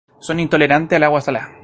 Son intolerantes al agua salada.